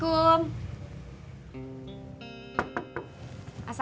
bukan buat beli obat batuk